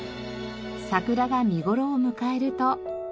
桜が見頃を迎えると。